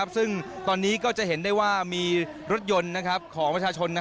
ซึ่งตอนนี้ก็จะเห็นได้ว่ามีรถยนต์ของประชาชน